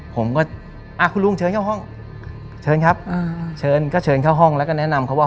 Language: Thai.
ผมก็อ่าคุณลุงเชิญเข้าห้องเชิญครับอ่าเชิญก็เชิญเข้าห้องแล้วก็แนะนำเขาว่า